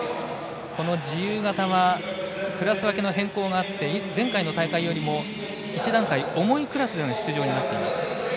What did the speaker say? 自由形はクラス分けの変更があって前回の大会よりも１段階重いクラスでの出場になっています。